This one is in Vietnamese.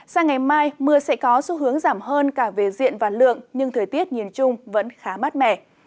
sang ngày mai mưa sẽ có xu hướng giảm hơn cả về diện và lượng nhưng thời tiết nhìn chung vẫn khá mát mẻ